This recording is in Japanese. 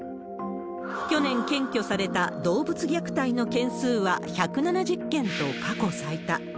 去年検挙された動物虐待の件数は１７０件と、過去最多。